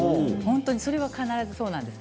それは必ずそうなんです。